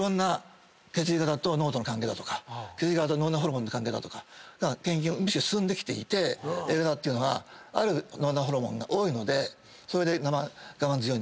血液型と脳との関係だとか血液型と脳内ホルモンの関係だとか研究がむしろ進んできていてＡ型っていうのはある脳内ホルモンが多いのでそれで我慢強いんですよ。